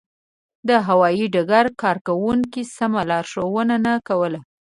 د هوایي ډګر کارکوونکو سمه لارښوونه نه کوله.